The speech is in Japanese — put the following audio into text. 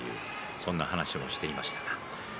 そんな話をしていました。